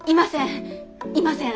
いません。